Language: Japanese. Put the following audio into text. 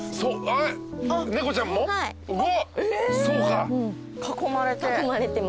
え囲まれて。